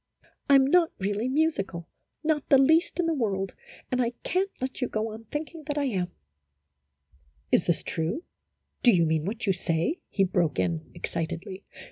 I 'm not really musical, not the least in the world, and I can't let you go on thinking that I am" " Is this true ; do you mean what you say ?" he broke in, excitedly.